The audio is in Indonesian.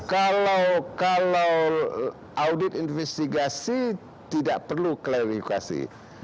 kalau audit investigasi tidak perlu klarifikasi